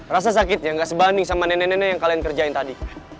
rasa sakitnya gak sebanding sama nenek nenek yang kalian kerjain tadi